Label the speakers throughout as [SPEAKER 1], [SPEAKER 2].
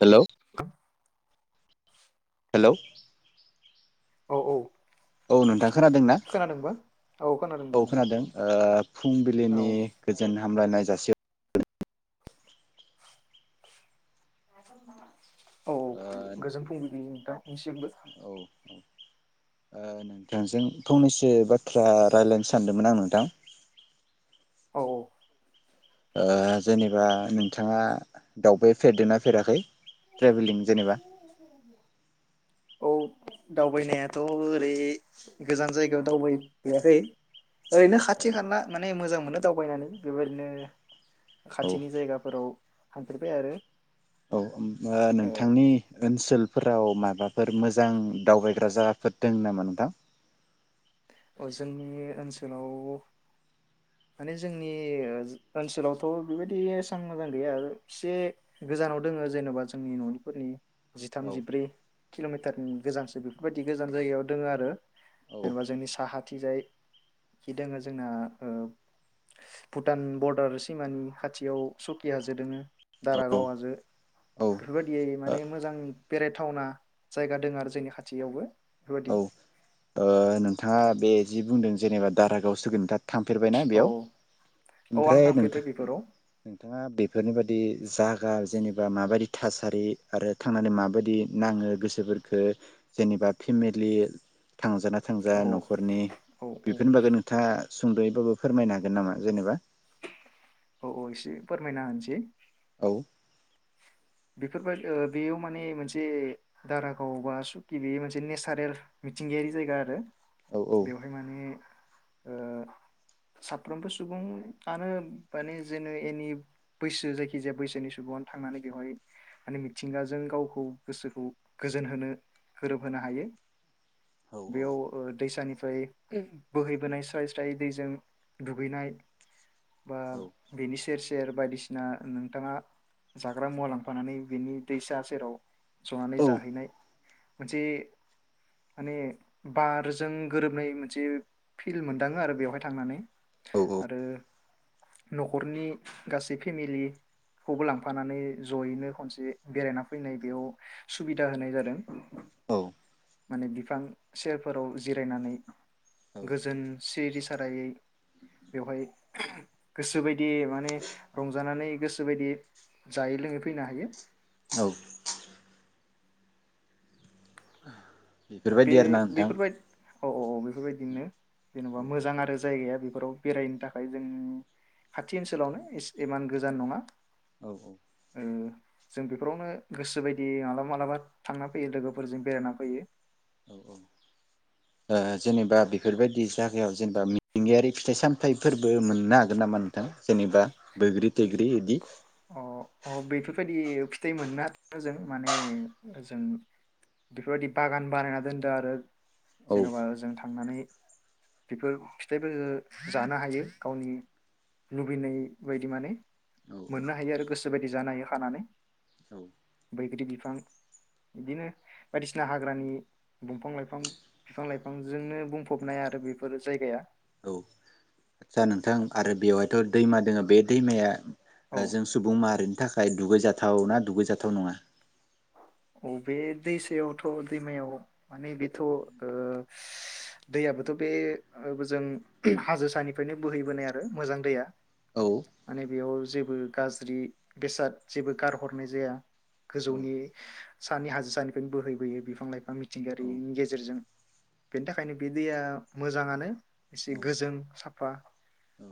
[SPEAKER 1] हेल' hello
[SPEAKER 2] औ औ
[SPEAKER 1] औ नोंथां खोनादों ना
[SPEAKER 2] खोनादोंबा औ खोनादों दे
[SPEAKER 1] औ
[SPEAKER 2] नोंथां
[SPEAKER 1] खोनादों
[SPEAKER 2] औ
[SPEAKER 1] फुंबिलिनि गोजोन हामलायनाय जासि
[SPEAKER 2] औ
[SPEAKER 1] औ
[SPEAKER 2] गोजोन फुंबिनि नोंथांनिसिमबो
[SPEAKER 1] ओ नोंथांजों फंनैसो बाथ्रा रायलायनो सानदोंमोन आं नोंथां।
[SPEAKER 2] औ औ
[SPEAKER 1] ओ जेनेबा नोंथाङा दाउबाय फेरदेरना फेराखै ट्रेभेलिं जेनेबा
[SPEAKER 2] [inaudible] औ दावबायनायाथ' ओरै गोजान जायगायाव दावबायफैयाखै ओरैनो
[SPEAKER 1] औ
[SPEAKER 2] खाथि खाला माने मोजां नो दावबायनानै बेबायदिनो
[SPEAKER 1] औ
[SPEAKER 2] खाथिनि जायगाफोराव थांफेरबाय आरो
[SPEAKER 1] औ ओ नोंथांनि ओनसोलफोराव माबा फोर मोजां दावबायग्रा जायगाफोर दों नामा नोंथां?
[SPEAKER 2] अ जोंनि ओनसोलाव माने जोंनि ओनसोलावथ' बेबायदि एसेबां मोजां गैया एसे गोजानाव दोङ जेन'बा जोंनि न'निफोरनि
[SPEAKER 1] औ
[SPEAKER 2] जिथाम जिब्रै किल'मिटारनि गोजानसो बेफोरबायदि गोजान जायगायाव दोङ आरो
[SPEAKER 1] औ
[SPEAKER 2] जेनेबा जोंनि साहाथिजाय इखि दोङ जोंना ओ भुटान बरडार सिमानि खाथियाव सकि हाजो दोङो,
[SPEAKER 1] औ
[SPEAKER 2] दारागाव हाजो
[SPEAKER 1] औ
[SPEAKER 2] बेफोरबायदियै माने मोजां बेरायथावना जायगा दङ आरो जोंनि खाथियावबो बेफोरबायदि।
[SPEAKER 1] औ ओ नोंथाङा बे जि बुंदों जेनेबा दारागाव सोगोन दा [unintelligible] थांफेरबायना
[SPEAKER 2] औ
[SPEAKER 1] बेयाव
[SPEAKER 2] औ आं
[SPEAKER 1] ओमफ्राय नोंथां
[SPEAKER 2] थांफेरबाय बेफोराव
[SPEAKER 1] नोंथाङा बेफोरनि बायदि इ जागा जेनेबा माबादि थासारि आरो थांनानै माबादि नाङो गोसो फोरखो जेनिबा फेमिलि थांजाना थांजा
[SPEAKER 2] औ
[SPEAKER 1] न'खरनि
[SPEAKER 2] औ औ
[SPEAKER 1] बेफोरनि बागै नोंथाङा सुंद'यै बो फोरमायनो हागोन नामा जेनेबा
[SPEAKER 2] औ औ एसे फोरमायना होनसै।
[SPEAKER 1] औ।
[SPEAKER 2] बेफोरबाय बेयाव माने मोनसे दारागाव बा सुकि बे मोनसे नेचारेल मिथिंगायारि जायगा आरो।
[SPEAKER 1] औ औ
[SPEAKER 2] बेवहाय माने ओ साफ्रोमबो सुबुंआनो माने जेन' एनि बैसो जायखिजाया बैसोनि सुबुं आनो थांनानै बेवहाय माने मिथिंगाजों गावखौ गोसोखौ गोजोन होनो गोरोबहोनो हायो।
[SPEAKER 1] औ
[SPEAKER 2] बेयाव ओ दैसानि ओमफ्राय बोहैबोनाय स्राय स्राय दैजों दुगैनाय बा
[SPEAKER 1] औ
[SPEAKER 2] बेनि सेरसेेर सेर बायदिसिना नोंथाङा जाग्रा मुवा लां फानानै बिनि दैसा सेराव संनानै
[SPEAKER 1] औ
[SPEAKER 2] जाहैनाय मोनसे माने बारजों गोरोबनाय मोनसे फिल् मोनदाङो आरो बेवहाय थांनानै।
[SPEAKER 1] औ
[SPEAKER 2] आरो न'खरनि गासै फेमिलिखौबो लांफानानै ज जयैनो खनसे बेरायना फैनाय बेयाव सुबिदा होनाय जादों।
[SPEAKER 1] औ।
[SPEAKER 2] माने बिफां सेरफोराव जिरायनानै
[SPEAKER 1] औ
[SPEAKER 2] गोजोन सिरि सारायै बेवहाय गोसोबायदि माने रंजानानै गोसोबायदि जायै लोङै फैनो हायो।
[SPEAKER 1] औ।
[SPEAKER 2] बे
[SPEAKER 1] बेफोरबायदि आर ना नोंथां।
[SPEAKER 2] बेफोरबाय औ औ औ बेफोरबायदिनो।
[SPEAKER 1] औ
[SPEAKER 2] [unintelligible] बेफोराव बेरायनो थाखाय जों खाथि ओनसोलावनो इमान गोजान नङा
[SPEAKER 1] औ
[SPEAKER 2] ओ जों बेफोरावनो गोसो बायदि मालाबा मालाबा थांना फैयो लोगोफोरजों बेरायना फैयो।
[SPEAKER 1] औ औ ओ जेनेबा बेफोरबायदि जायगायाव जेनेबा मिथिंगायारि फिथाइ सामथायाइफोरबो मोननो हागोन नामा नोंथां जेनेबा बैग्रि थैग्रि बिदि।
[SPEAKER 2] अ अ बेफोरबायदि फिथाइ मोनना जों माने ओ जों बेफोरबायदि बागान बानायना दोनदों आरो।
[SPEAKER 1] औ
[SPEAKER 2] जेन'बा जों थ थांनानै बेफोर फिथाइफोरफोरखौ जानो हायो गावनि लुबैनाय बायदि माने
[SPEAKER 1] औ
[SPEAKER 2] मोननो हायो आरो गोसो बायदि जानो हायो खानानै
[SPEAKER 1] औ
[SPEAKER 2] बैग्रि बिफां बिदिनो बायदिसिना हाग्रानि दंफां लाइफां बिफां लाइफां जोंनो बुंफबनाय हा आरो बेफोर जायगाया
[SPEAKER 1] जा नोंथां आरो बेवहायथ' दैमा दोंङो बे दैमाया
[SPEAKER 2] औ
[SPEAKER 1] जों सुबुं माहारिनि थाखाय दुगैजाथाव ना दुगैजाथाव नंङा
[SPEAKER 2] अ बे दैसायावथ' दैमायाव माने बेथ' ओ दैयाबोथ' बेजों हाजोसानिफ्रायनो बोहैबोनाय आरो मोजां दैया
[SPEAKER 1] औ
[SPEAKER 2] माने बेयाव जेबो गाज्रि बेसाद जेबो गारहरनाय जाया
[SPEAKER 1] औ
[SPEAKER 2] गोजौनि सानि हाजो सानिफ्रायनो बोहैबोयो बिफां लाइफां
[SPEAKER 1] औ
[SPEAKER 2] मिथिंगायारिनि गेजेरजों बेनि थाखायनो बे दैया मोजांङानो एसे गोजों साफा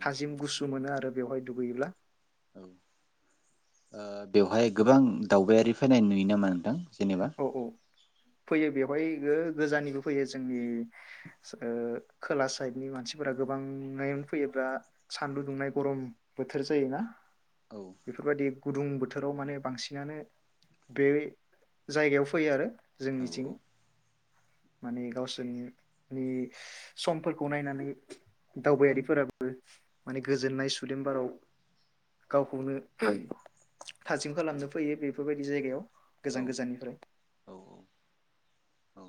[SPEAKER 2] थाजिम गुसु मोनो आरो बेवहाय दुगैयोब्ला
[SPEAKER 1] औ ओ बेवहाय गोबां दावबायारि फायनाय नुयो नामा नोंथां जेनेबा
[SPEAKER 2] औ औ फैयो बेवहाय गोजाननिबो फैयो जोंनि खोला साइडनि मानसिफोरा गोबांङानो फैयोब्ला सानदुं दुंनाय गरम बोथोर जायोना
[SPEAKER 1] औ
[SPEAKER 2] बेफोरबायदि गुदुं बोथोराव माने बांसिनानो बे जायगायाव फैयो आरो
[SPEAKER 1] औ
[SPEAKER 2] जोंनिथिं माने गावसोरनिनि समफोरखौ नायनानै दावबायारिफोराबो माने गोजोननाय सुदेमबाराव गावखौनो थाजिम खालामनो फैयो बेफोरबायदि जायगायाव
[SPEAKER 1] औ
[SPEAKER 2] गोजान गोजाननि [inaudible]
[SPEAKER 1] ओ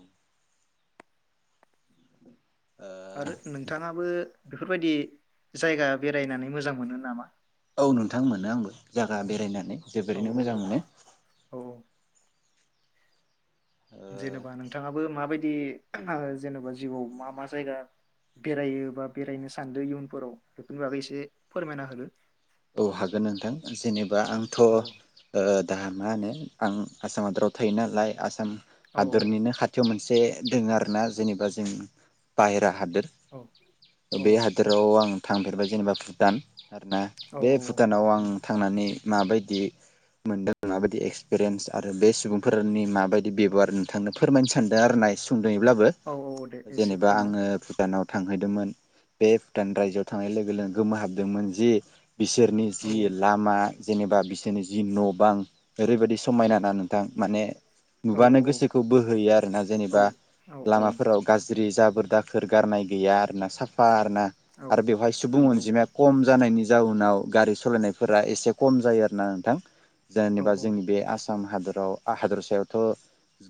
[SPEAKER 2] आरो नोंथांङाबो बेफोरबायदि जायगा बेरायनानै मोजां मोनो नामा।
[SPEAKER 1] औ नोंथां मोनो आंबो जायगा बेरायनानै
[SPEAKER 2] औ
[SPEAKER 1] जोबोरैनो मोजां मोनो।
[SPEAKER 2] औ औ
[SPEAKER 1] ओ
[SPEAKER 2] जेनेबा नोंथांङाबो माबायदि जेनेबा जिउआव मा मा जायगा बेरायो बा बेरायनो सानदों इयुनफोराव बेफोरनि बागै एसे फोरमायना होदो
[SPEAKER 1] औ हागोन नोंथां जेनेबा आंथ'‌ओ
[SPEAKER 2] औ
[SPEAKER 1] दा मा होनो आं आसाम हादराव थायो नालाय आसाम
[SPEAKER 2] औ
[SPEAKER 1] हादरनिनो खाथियाव मोन से दोंङो आरोना जेनेबा जों बाहेरा हादोद
[SPEAKER 2] औ औ
[SPEAKER 1] बे हादोराव आं थांफेरबाय जेनेबा भुटान आरो ना
[SPEAKER 2] औ
[SPEAKER 1] बे भुटानाव आं थांनानै माबायदि मोनदों माबायदि एक्सपिरियेन्स आरो बे सुबुंफोरनि माबायदि बेब'हार नोंथांनो फोरमायनो सानदों आरो नाय सुं द'यैब्लाबो
[SPEAKER 2] औ औ दे एसे
[SPEAKER 1] जेनेबा
[SPEAKER 2] फोरमायनाव
[SPEAKER 1] आंङो भुटानाव थांहैदोंमोन बे भुटान रायजोआव थांनाय लोगो लोगो गोमोहाबदोंमोन जि बिसोरनि
[SPEAKER 2] औ
[SPEAKER 1] जि लामा जेनेबा बिसोरनि जि न' बां ओरैबायाददि समायना ना नोंथां माने
[SPEAKER 2] औ
[SPEAKER 1] नुबानो गोसोखौ बोहोयो आरो ना जेनेबा
[SPEAKER 2] औ औ औ
[SPEAKER 1] लामाफोराव गा ज्रि जाबोर दाखोर गारनाय गैया आरोना साफा ना आरो बेवहाय सुबुं
[SPEAKER 2] औ
[SPEAKER 1] अनजिमाया खम जानायनि जाउ उनाव गारि सालायनायफोरा एसे खम जायो आरो ना नोंथां
[SPEAKER 2] औ
[SPEAKER 1] जेनेबा
[SPEAKER 2] औ
[SPEAKER 1] जोंनि बे आसाम आसाम हादराव हादरसायावथ'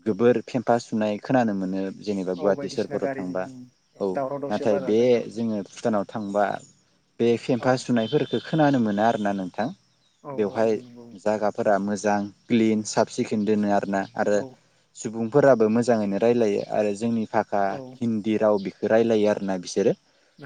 [SPEAKER 1] गोबोर खेमफा सुनाय खोनानो मोनो जेनेबा
[SPEAKER 2] औ
[SPEAKER 1] गुवाहाटि
[SPEAKER 2] बायदिसिना
[SPEAKER 1] सरपाव
[SPEAKER 2] गारिनि
[SPEAKER 1] थांबा
[SPEAKER 2] उम
[SPEAKER 1] औ
[SPEAKER 2] दावराव दावसि
[SPEAKER 1] नाथाय
[SPEAKER 2] बारा
[SPEAKER 1] बे
[SPEAKER 2] जोंनाव
[SPEAKER 1] जोङो भुटानाव थांबा बे
[SPEAKER 2] औ
[SPEAKER 1] फेम्पा सुनायफोरखौ खोनानो मोनो आरोना नोंथां
[SPEAKER 2] औ
[SPEAKER 1] बेवहाय
[SPEAKER 2] औ नंगौ
[SPEAKER 1] जायगाफोरा मोजां मोजां क्लिन साब सिखोन दोनो आरो आरो
[SPEAKER 2] औ
[SPEAKER 1] सुबुं फोराबो मोजाङैनो रायजलायो आरो जोंनि भाका
[SPEAKER 2] औ
[SPEAKER 1] हिन्दी राव बि रायलायो आरोना बिसोरो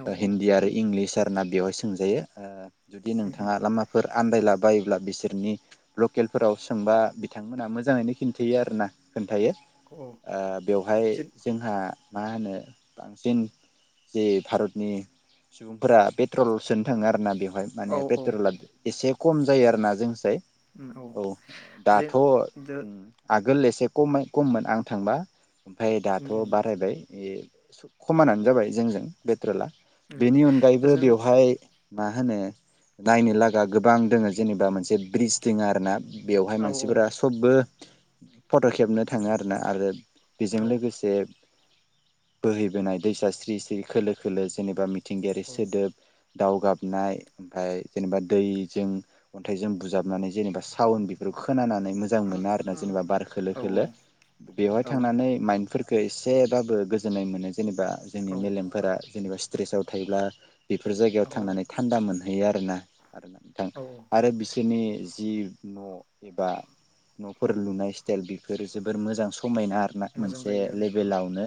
[SPEAKER 2] उम
[SPEAKER 1] हिन्दी
[SPEAKER 2] उम
[SPEAKER 1] आरो इंग्लि फोरोनना बेवहाय सोंजायो [inaudible] जुदि नोंथाङा लामाफोर आन्दायलाबायोब्ला बिसोरनि लकेलफोराव सोंबा बिथांमोना मोजाङैनो खिन्थायो आरोना खोन्थायो
[SPEAKER 2] औ
[SPEAKER 1] ओ बेवहाय
[SPEAKER 2] जे
[SPEAKER 1] जोंहा मा होनो बांसिन जे भारतनि सुबुंफोरा पेट्रलसोनो थाङो आरोना बेवहाय
[SPEAKER 2] औ
[SPEAKER 1] माने
[SPEAKER 2] औ
[SPEAKER 1] पेट्रल एसे खम जायो आरो ना जोंसाय औ
[SPEAKER 2] जे
[SPEAKER 1] दाथ'
[SPEAKER 2] दो
[SPEAKER 1] [inaudible] गोरलैसे खम खममोन आं थांबा ओमफ्राय दाथ'
[SPEAKER 2] उम उम
[SPEAKER 1] बारायबाय बे खमानो जाबाय जोंजों बे [inaudible] पेट्रोला
[SPEAKER 2] उम
[SPEAKER 1] बेनि अनगायैबो
[SPEAKER 2] ओजों
[SPEAKER 1] बेवहाय मा होनो नायनो लागा गोबां दोङ जेनेबा मोनसे ब्रिज दङ आरो ना बेवहाय
[SPEAKER 2] औ
[SPEAKER 1] मानसिफोरा सबबो फट' खेबनो थाङो आरोना आरो
[SPEAKER 2] औ
[SPEAKER 1] बेजों लोगोसे बोहैबोनाय दैसा स्रि स्रि खोलो खोलो जेनेबा मिथिंगायारि
[SPEAKER 2] औ
[SPEAKER 1] सोदोब। दाउ गाबनाय। ओमफ्राय जेनेबा दैजों अन्थाइजों बुजाबनानै जेनेबा सावोन बेफोरखौ खोनानानै मोजां मोनो आरोना जेनेबा बार खोलो
[SPEAKER 2] औ
[SPEAKER 1] खोलो बेवहाय थांनानै माइन फोरखो एसेबाबो गोजोननाय मोनो। जेनेबा
[SPEAKER 2] औ
[SPEAKER 1] जोंनि मेलेमफोरा जेनेबा स्ट्रेसआव थायोब्ला बेफोर जायगायाव
[SPEAKER 2] औ
[SPEAKER 1] थांनानै थान्दा मोनो थायो आरोना आरोना नोंथां
[SPEAKER 2] औ
[SPEAKER 1] आरो बिस बिसोरनि जि न' एबा न'फोर लुनाय स्टाइल बेफोर जोबोर मोजां सम समायना आरोना
[SPEAKER 2] मोजां
[SPEAKER 1] मोनसे
[SPEAKER 2] जायो ओं ओं
[SPEAKER 1] लेभेलावनो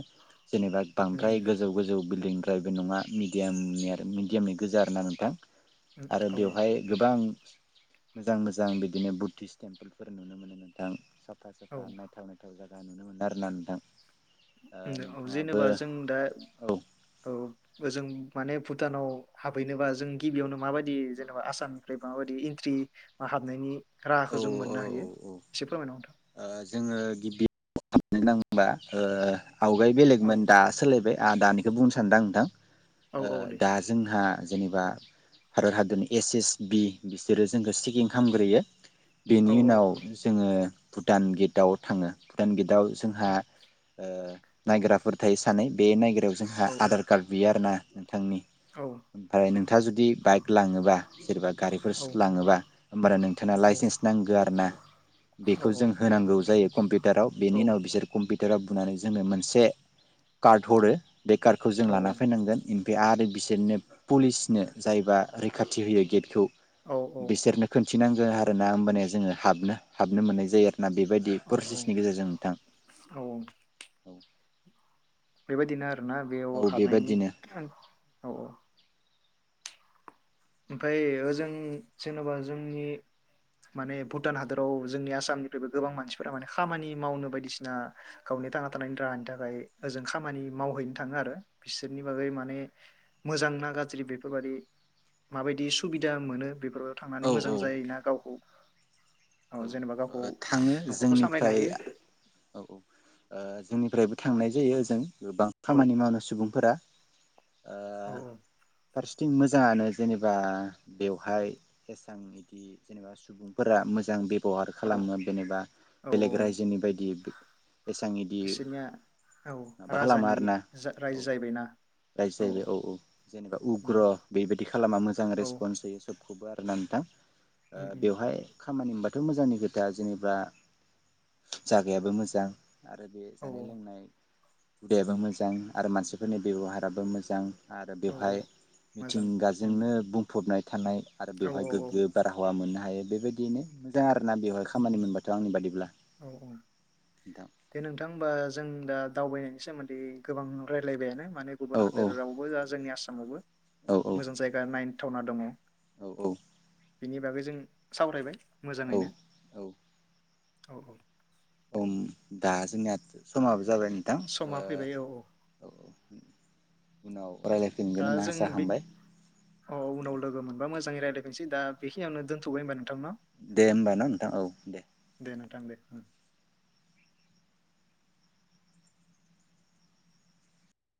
[SPEAKER 1] जेनेबा
[SPEAKER 2] उम
[SPEAKER 1] बांद्राय
[SPEAKER 2] उम,
[SPEAKER 1] गोजौ गोजौ बिलडिं द्रायबो नंङा मिडियामनि आरो मिडियामनि गोजा आरोना नोंथां? आरो
[SPEAKER 2] औ
[SPEAKER 1] बेवहाय गोबां मोजां मोजां बिदिनो बुद्धिस टेम्पोलफोर नुनो मोनो नोंथां सा
[SPEAKER 2] औ
[SPEAKER 1] [unintelligible] नायथाव नायथाव जा ओ नुनो मोनो आरो ना नोंथां। ओ
[SPEAKER 2] औ
[SPEAKER 1] नोंथाङाबो
[SPEAKER 2] जेनेबा जों दा
[SPEAKER 1] औ
[SPEAKER 2] औ ओजों माने भुटानाव हाबहैनोबा जों गिबियावनो माबायदि जेनेबा आसामनिफ्राय माबायदि एन्ट्रि हाबनायनि
[SPEAKER 1] औ
[SPEAKER 2] राहाखौ जों मोननो हायो एसे फोरमायना हो नोंथां।
[SPEAKER 1] जोंङो गिबि [unintelligible] हाबनो नांगौबा ओ आवगाय
[SPEAKER 2] औ
[SPEAKER 1] बेलेगमोन दा सोलायबाय। ओ दानिखौ बुंनो सानदां नोंथां।
[SPEAKER 2] औ
[SPEAKER 1] ओ
[SPEAKER 2] औ दे
[SPEAKER 1] दा जोंहा जेनेबा भारत हादरनि एस एस बि बिसोरो जोंखौ चेकिं खालामग्रोयो।
[SPEAKER 2] औ
[SPEAKER 1] बेनि
[SPEAKER 2] औ
[SPEAKER 1] उनाव जोंङो भुटान गेटआव थांङो भुटान गेटआव
[SPEAKER 2] औ
[SPEAKER 1] जोंहा ओ नायग्राफोर थायो सानै बे नायग्रा याव जोंहा
[SPEAKER 2] औ
[SPEAKER 1] आधार कार्ड बियो आरो ना। थांनि
[SPEAKER 2] औ
[SPEAKER 1] ओमफाय नों थांङा जुदि बाइक लाङोबा सोरबा गारिफोर
[SPEAKER 2] औ
[SPEAKER 1] लाङोबा होनबाना नों जोंना
[SPEAKER 2] औ
[SPEAKER 1] लाइसेन्सनि। नांगौ आरो ना बेखौ जों होनांगौ जायो। [unintelligible] [unintelligible]
[SPEAKER 2] औ
[SPEAKER 1] बेनि उनाव बिसोर कम्पिउ। जेराव बुनानै जोंनो मोनसे कार्ड हरो। बे कार्डखौ जों लाना फैनांगोन। बे आरो बिसोरनो पुलिसनो जायबा रैखाथि होयो गेटखौ।
[SPEAKER 2] औ
[SPEAKER 1] बिसोरनो खोन। थिनांगोन आरोना होमबानो। होमबाना जोङो हाबनो-हाबनो मोननाय जायो आरो। ना बेबायदि
[SPEAKER 2] औ औ
[SPEAKER 1] प्रसेसनि गेजेरजों नोंथां।
[SPEAKER 2] औ
[SPEAKER 1] औ।
[SPEAKER 2] बेबायदिनो आर। ना बेयाव हाबनायनि
[SPEAKER 1] बेबायदिनो
[SPEAKER 2] औ-औ। ओमफाय होजों जेन'बा जोंनि माने भुटान हादोराव जोंनि आसामनिफ्रायबो गोबां मानसिफोरा माने खामानि मावनो बायदिसिना गावनि थांना थानायनि राहानि थाखाय होजों खामानि मावहैनो थाङो आरो बिसोरनि बागै माने मोजां ना गाज्रि बेफोरबादि। माबायदि सुबिदा मोनो बेफोर।
[SPEAKER 1] औ
[SPEAKER 2] थांनानै मोजां
[SPEAKER 1] औ
[SPEAKER 2] जायोना गावखौ।
[SPEAKER 1] औ
[SPEAKER 2] जेनेबा गावखौ
[SPEAKER 1] ओ थाङो
[SPEAKER 2] न'खरखौ सामलायनो
[SPEAKER 1] जोंनिफ्राय
[SPEAKER 2] हायो
[SPEAKER 1] औ-औ ओ जोंनिफ्रायबो। थांनाय जायो होजों। गोबां
[SPEAKER 2] औ
[SPEAKER 1] खामानि मावनो सुबुंफोरा। ओ
[SPEAKER 2] औ
[SPEAKER 1] पारसनि। बिथिं मोजाङानो जेनेबा बेवहाय एसां बिदि जेनेबा सुबुंफोरा मोजां। [unintelligible] बोहार
[SPEAKER 2] औ
[SPEAKER 1] खालामो जेनोबा
[SPEAKER 2] औ
[SPEAKER 1] बेलेग रायजोनि बायदि। एसां इदि
[SPEAKER 2] बिसोरनिया औ
[SPEAKER 1] माबा खालामा
[SPEAKER 2] राजानि
[SPEAKER 1] आरोना
[SPEAKER 2] जा
[SPEAKER 1] औ
[SPEAKER 2] रायजो जाहैबायना
[SPEAKER 1] रायजो
[SPEAKER 2] औ
[SPEAKER 1] जाहैबाय
[SPEAKER 2] औ
[SPEAKER 1] औ-औ जेनेबा उग्र
[SPEAKER 2] उम
[SPEAKER 1] बेबायदि खालामाबा मोजां
[SPEAKER 2] औ
[SPEAKER 1] रेसपन्स
[SPEAKER 2] उम
[SPEAKER 1] होयो सोब। खुबार आरोना नोंथां। ओ
[SPEAKER 2] उम
[SPEAKER 1] बेवहाय। खामानि मोनबाथ' मोजांनि खोथा जेनेबा जागायाबो मोजां। आरो बे
[SPEAKER 2] औ
[SPEAKER 1] जानाय-लोंनाय। बेबो मोजां आरो मानसिफोरनि बेब'हाराबो मोजां। आरो
[SPEAKER 2] औ
[SPEAKER 1] बेवहाय
[SPEAKER 2] औ मोजां उम
[SPEAKER 1] मिथिंगाजोंनो बुंफबनाय। थानाय आरो
[SPEAKER 2] औ
[SPEAKER 1] बेवहाय
[SPEAKER 2] औ
[SPEAKER 1] गोग्गो बारहावा मोननाय। हायो बेबायदि। दिनो दार
[SPEAKER 2] उम उम औ औ
[SPEAKER 1] नोंथां
[SPEAKER 2] दे नोंथां होमबा जों दा दावबायनायनि सोमोन्दै गोबां रायलायबायानो। माने
[SPEAKER 1] औ
[SPEAKER 2] गुबुन
[SPEAKER 1] औ
[SPEAKER 2] हादोरावबो आरो जोंनि आस आंनावबो
[SPEAKER 1] औ
[SPEAKER 2] मोजां जायगा नायन थावना दङ।
[SPEAKER 1] औ औ।
[SPEAKER 2] बिनि बागै जों सावरायबाय
[SPEAKER 1] औ
[SPEAKER 2] मोजाङैनो औ औ।
[SPEAKER 1] अम दा जोंनिया समाबो जाबाय नोंथां
[SPEAKER 2] समा फैबाय औ औ।
[SPEAKER 1] ओ औ औ उनाव रायलायफिनगोन
[SPEAKER 2] दा
[SPEAKER 1] होनना
[SPEAKER 2] जों
[SPEAKER 1] आसा
[SPEAKER 2] बि
[SPEAKER 1] खालामबाय
[SPEAKER 2] अ उनाव लोगो मोनबा मोजाङै रायलायफिनसै दा बेखिनियावनो दोनथ'बाय होनबा नोंथां न?
[SPEAKER 1] दे होमबा ना नोंथां औ दे
[SPEAKER 2] दे नोंथां दे औ